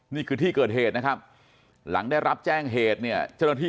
นี่คือที่เกิดเหตุนะครับหลังได้รับแจ้งเหตุเนี่ยเจ้าหน้าที่